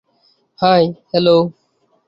High, - hello.